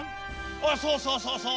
あっそうそうそうそう。